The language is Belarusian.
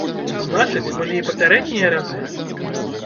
Значыць, былі і папярэднія разы?